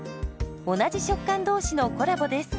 同じ食感同士のコラボです。